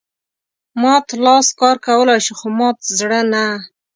مات لاس کار کولای شي خو مات زړه نه.